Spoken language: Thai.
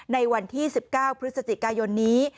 ในวันที่๑๙พฤศจิกายนนี้